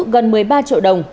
gần một mươi ba triệu đồng